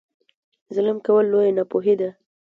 ظلم کول لویه ناپوهي ده.